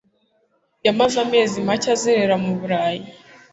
Yamaze amezi make azerera mu Burayi.